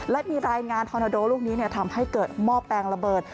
และมีรายงานทอนาโดลูกนี้ทำให้เกิดหม้อแปลงระเบิด